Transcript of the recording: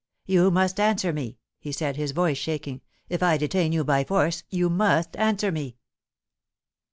"You must answer me," he said, his voice shaking. "If I detain you by force, you must answer me."